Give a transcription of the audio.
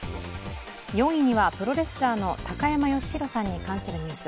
４位にはプロレスラーの高山善廣さんに関するニュース。